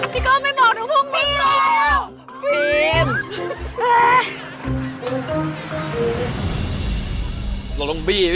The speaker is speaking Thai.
พี่ก้อบไม่บอกถึงพวกพี่ว่ะ